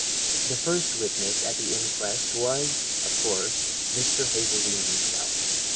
"The first witness at the inquest was, of course, Mr. Hazeldene himself.